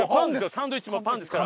サンドイッチもパンですから。